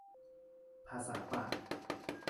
ภาษาปาก